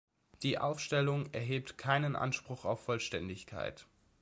Die Aufstellung erhebt keinen Anspruch auf Vollständigkeit.